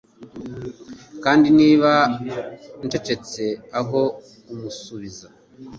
kandi niba ncecetse aho kumusubiza